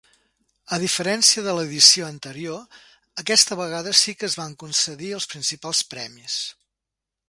A diferència de l'edició anterior, aquesta vegada sí que es van concedir els principals premis.